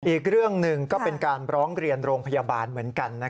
อีกเรื่องหนึ่งก็เป็นการร้องเรียนโรงพยาบาลเหมือนกัน